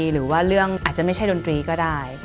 หรือว่าเรื่องอาจจะไม่ใช่ดนตรีก็ได้